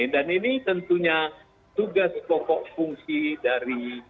dan ini tentunya tugas pokok fungsi dari